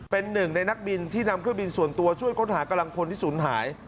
เป็นหนึ่งในนักบินที่นำเครื่องบินส่วนตัวช่วยค้นหากำลังพลที่ศูนย์หาย